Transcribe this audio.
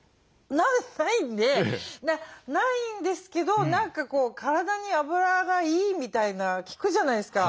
ないんでないんですけど何か体にあぶらがいいみたいな聞くじゃないですか。